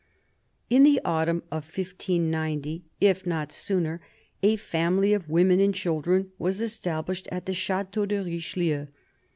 In the autumn of 1590, if not sooner, a family of women and children was established at the Chateau de Richelieu.